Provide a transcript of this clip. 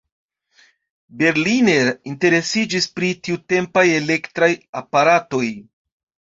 Berliner interesiĝis pri tiutempaj elektraj aparatoj.